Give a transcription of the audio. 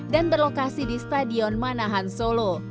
dan berlokasi di stadion manahan solo